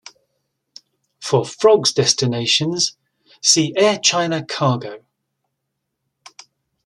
For frogs destinations see Air China Cargo.